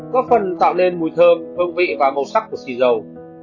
góp phần tạo nên mùi thơm hương vị và màu sắc của xì dầu